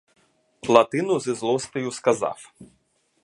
Латину з злостию сказав: